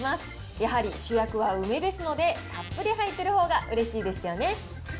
やはり主役は梅ですので、たっぷり入っているほうがうれしいですよね。